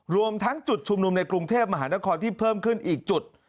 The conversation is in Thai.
รวมทั้งจุดชุมนุมในกรุงเทพมหานครที่เพิ่มขึ้นอีกจุด